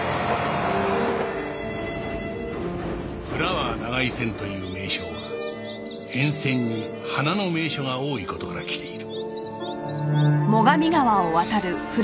フラワー長井線という名称は沿線に花の名所が多い事からきている